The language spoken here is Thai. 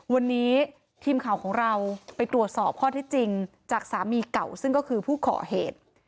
วันนี้ทีมข่าวของเราไปตรวจสอบข้อที่จริงจากสามีเก่าซึ่งก็คือผู้ก่อเหตุ